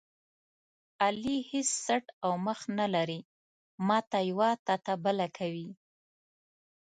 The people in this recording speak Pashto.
علي هېڅ څټ او مخ نه لري، ماته یوه تاته بله کوي.